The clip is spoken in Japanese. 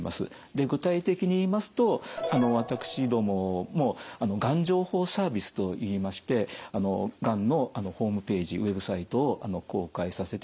具体的に言いますと私どももがん情報サービスといいましてがんのホームページＷＥＢサイトを公開させていただいております。